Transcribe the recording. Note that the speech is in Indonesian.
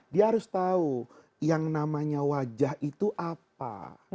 dia harus tahu yang namanya wajah itu apa